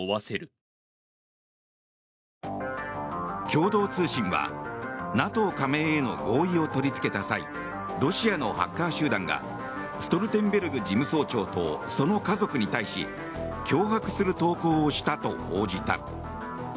共同通信はＮＡＴＯ加盟への合意を取りつけた際ロシアのハッカー集団がストルテンベルグ事務総長とその家族に対し脅迫する投稿をしたと報じた。